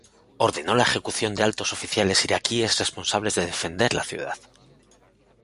Ordenó la ejecución de altos oficiales iraquíes responsables de defender la ciudad.